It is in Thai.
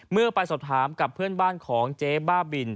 เมื่อไปสอบถามกับเพื่อนบ้านของเจ๊บ้าบิน